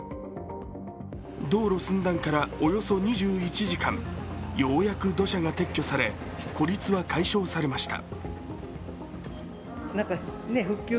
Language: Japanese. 道路寸断からおよそ２１時間、ようやく土砂が撤去され、孤立は解消されました。